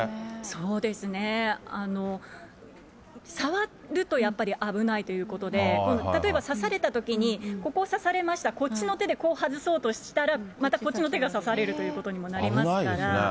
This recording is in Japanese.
そうですね、触るとやっぱり危ないということで、例えば刺されたときに、ここを刺されました、こっちの手でこう外そうとしたら、またこっちの手が刺されるということにもなりますから。